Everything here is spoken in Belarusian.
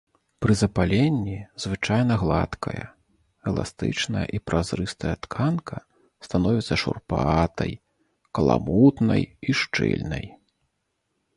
Пры запаленні звычайна гладкая, эластычная і празрыстая тканка становіцца шурпатай, каламутнай і шчыльнай.